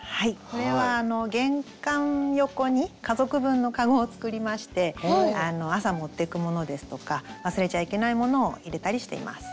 これは玄関横に家族分のかごを作りまして朝持ってくものですとか忘れちゃいけないものを入れたりしています。